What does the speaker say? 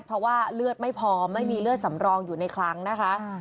เพราะว่าเลือดไม่พอไม่มีเลือดสำรองอยู่ในคลังนะคะ